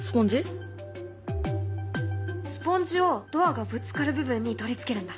スポンジをドアがぶつかる部分に取り付けるんだ。